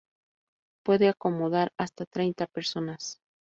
Puede acomodar hasta treinta personas.